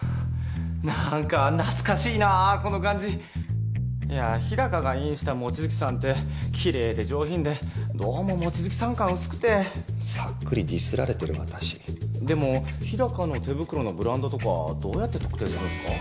何か懐かしいなこの感じいや日高がＩＮした望月さんってキレイで上品でどうも望月さん感薄くてさっくりディスられてる私でも日高の手袋のブランドとかどうやって特定するんすか？